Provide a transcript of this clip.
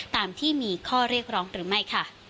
ตามที่มีข้อเรียกร้องหรือไม่ค่ะ